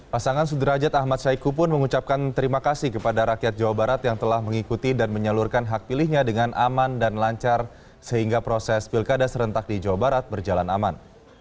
pasangan sudrajat ahmad saiku pun mengucapkan terima kasih kepada rakyat jawa barat yang telah mengikuti dan menyalurkan hak pilihnya dengan aman dan lancar sehingga proses pilkada serentak di jawa barat berjalan aman